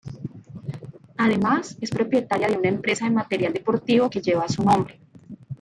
Además, es propietaria de una empresa de material deportivo que lleva su nombre.